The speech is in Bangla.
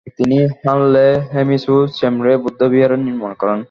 তিনি হানলে, হেমিস ও চেমরে বৌদ্ধবিহার নির্মাণ করেন।